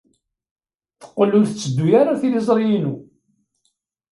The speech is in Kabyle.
Teqqel ur tetteddu ara tliẓri-inu.